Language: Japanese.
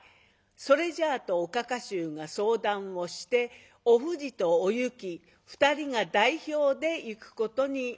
それじゃあ」とおかか衆が相談をしておふじとおゆき２人が代表で行くことになりました。